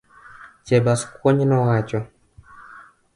Chebaskwony nowacho.